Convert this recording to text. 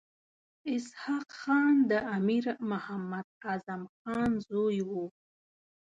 اسحق خان د امیر محمد اعظم خان زوی وو.